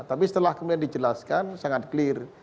tapi setelah kemudian dijelaskan sangat clear